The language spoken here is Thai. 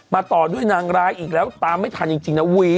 ต่อด้วยนางร้ายอีกแล้วตามไม่ทันจริงนะวี